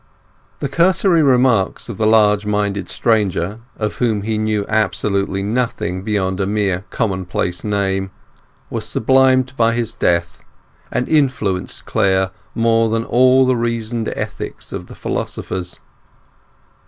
The cursory remarks of the large minded stranger, of whom he knew absolutely nothing beyond a commonplace name, were sublimed by his death, and influenced Clare more than all the reasoned ethics of the philosophers.